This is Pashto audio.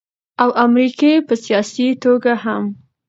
او امريکې په سياسي توګه هم